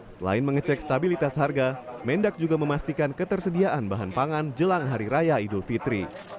selain mengecek stabilitas harga mendak juga memastikan ketersediaan bahan pangan jelang hari raya idul fitri